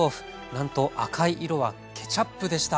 なんと赤い色はケチャップでした。